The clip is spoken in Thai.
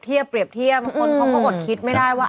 คนเขาก็อดคิดไม่ได้ว่า